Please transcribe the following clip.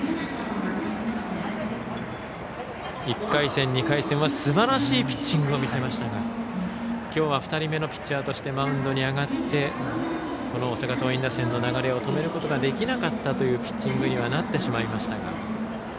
１回戦、２回戦はすばらしいピッチングを見せましたがきょうは２人目のピッチャーとしてマウンドに上がって大阪桐蔭打線の流れを止めることができなかったというピッチングにはなってしまいましたが。